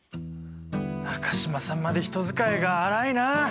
中島さんまで人使いが荒いなあ。